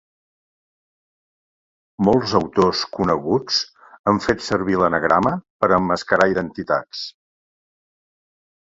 Molts autors coneguts han fet servir l'anagrama per emmascarar identitats.